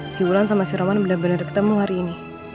si bolan sama si roman bener bener ketemu hari ini